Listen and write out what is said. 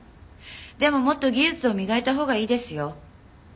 でももっと技術を磨いたほうがいいですよ。